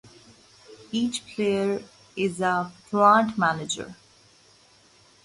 Each player is a plant manager.